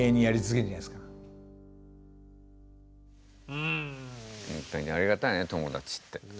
ほんとにありがたいね友達って。